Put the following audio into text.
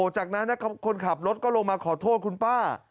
จากนั้นคนขับรถก็ลงมาขอโทษคุณป้า